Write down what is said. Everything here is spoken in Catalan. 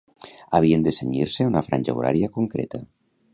Havien de cenyir-se a una franja horària concreta?